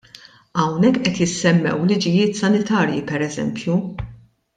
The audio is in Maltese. Hawnhekk qed jissemmew liġijiet sanitarji pereżempju.